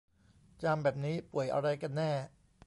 จามแบบนี้ป่วยอะไรกันแน่